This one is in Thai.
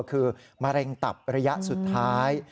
คือมะเร็งตับระยะสุดท้าย